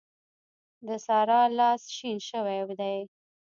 د سارا لاس شين شوی دی.